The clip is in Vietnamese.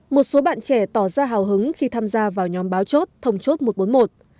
một số bạn trẻ tỏ ra hào hứng khi tham gia vào nhóm báo chốt thông chốt một trăm bốn mươi một